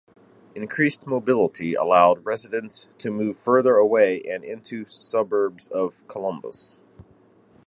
Increased mobility allowed residents to move further away and into suburbs of Columbus.